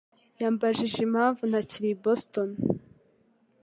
yambajije impamvu ntakiri i Boston.